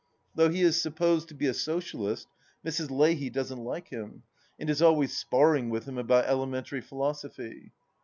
Though he is supposed to be a Socialist, Mrs. Leahy doesn't like him, and is always sparring with him about elementary philosophy.